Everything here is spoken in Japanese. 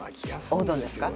おうどんですか？